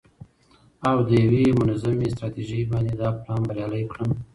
او د یوې منظمې ستراتیژۍ باندې دا پلان بریالی کړم.